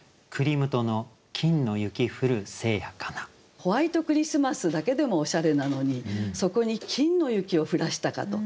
ホワイトクリスマスだけでもおしゃれなのにそこに金の雪を降らしたかと。